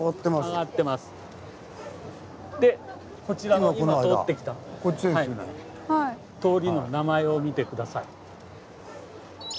こちらの今通ってきた通りの名前を見て下さい。